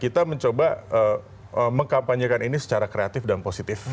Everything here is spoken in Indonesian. kita mencoba mengkampanyekan ini secara kreatif dan positif